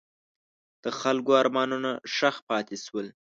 د خلکو ارمانونه ښخ پاتې شول.